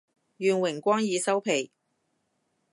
願榮光已收皮